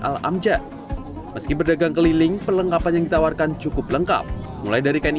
al amjad meski berdagang keliling perlengkapan yang ditawarkan cukup lengkap mulai dari kain